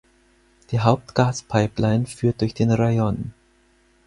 Die Hauptgas-Pipeline führt durch den Rayon.